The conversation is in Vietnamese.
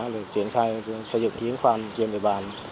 để triển khai xây dựng giếng khoan trên địa bàn